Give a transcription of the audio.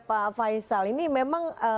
pak faisal ini memang